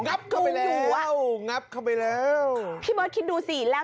งับเข้าไปแล้วพี่เบิร์ดคิดดูสิแล้ว